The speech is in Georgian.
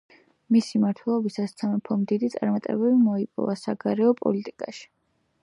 მისი მმართველობისას სამეფომ დიდი წარმატებები მოიპოვა საგარეო პოლიტიკაში.